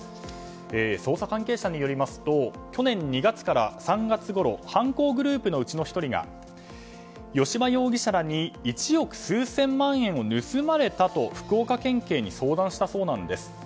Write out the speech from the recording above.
捜査関係者によりますと去年２月から３月ごろ犯行グループのうちの１人が吉羽容疑者らに１億数千万円を盗まれたと福岡県警に相談したそうです。